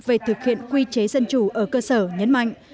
về thực hiện quy chế dân chủ ở cơ sở nhấn mạnh